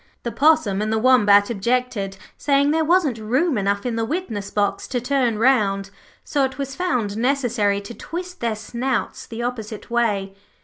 The Possum and the Wombat objected, saying there wasn't room enough in the witness box to turn round, so it was found necessary to twist their snouts the opposite way.